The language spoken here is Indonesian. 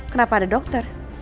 kenapa ada dokter